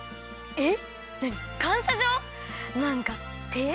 えっ？